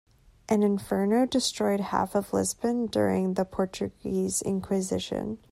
An inferno destroyed half of Lisbon during the Portuguese inquisition.